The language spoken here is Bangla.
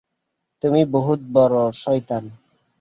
তুমি বহুত বড় শয়তান!